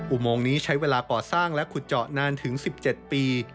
อุโมงนี้ใช้เวลาก่อสร้างและขุดเจาะนานถึง๑๗ปี